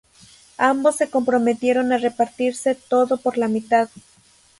Ambos se comprometieron a repartirse todo por la mitad.